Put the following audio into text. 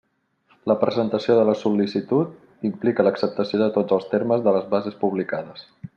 La presentació de la sol·licitud implica l'acceptació de tots els termes de les bases publicades.